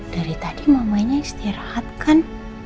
dari tadi mamanya istirahat kan